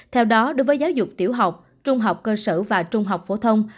theo đó đối với giáo dục tiểu học trung học cơ sở và trung học phổ thông